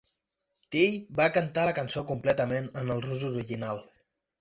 Till va cantar la cançó completament en el rus original.